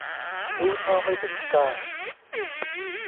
รู้เท่าไม่ถึงการ